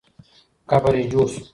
قبر یې جوړ سو.